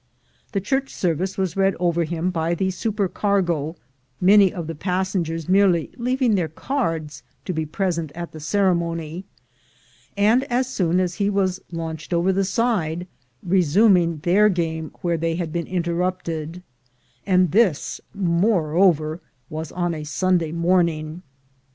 The church service was read over him by the supercargo, many of the passengers merely leaving their cards to be present at the ceremony, and as soon as he was launched over the side, resuming their game where they had been interrupted ; and this, moreover, was on a Sunday morning.